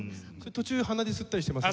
途中鼻で吸ったりします？